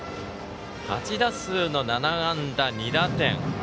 ８打数の７安打２打点。